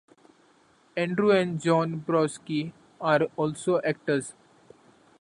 Andrew and John Prosky are also actors.